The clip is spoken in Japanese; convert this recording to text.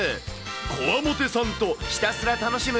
コワモテさんとひたすら楽しむ！